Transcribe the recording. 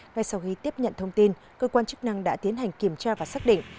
ngay sau khi tiếp nhận thông tin cơ quan chức năng đã tiến hành kiểm tra và xác định